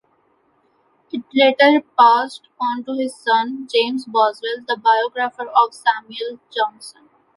It later passed on to his son, James Boswell, the biographer of Samuel Johnson.